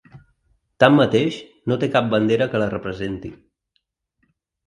Tanmateix, no té cap bandera que la representi.